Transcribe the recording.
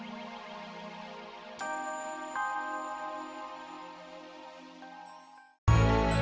sampai jumpa jadi ini